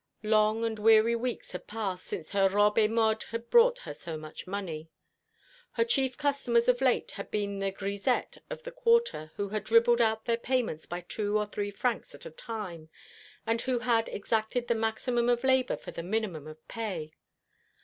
Long and weary weeks had passed since her robes et modes had brought her so much money. Her chief customers of late had been the grisettes of the quarter, who had dribbled out their payments by two or three francs at a time, and who had exacted the maximum of labour for the minimum of pay.